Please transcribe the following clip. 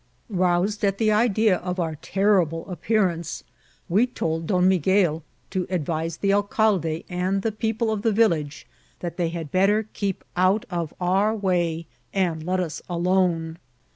Aonsed at the idea of our terrible appearance^ we told Don Miguel to advise the alcalde and the peo I^ of the village that they had better keep out of. our way and let us alone.